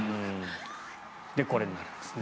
で、これになりますね。